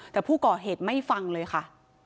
แต่ผู้ก่อเหตุไม่ฟังเลยค่ะ